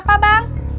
kamu mau ngelipet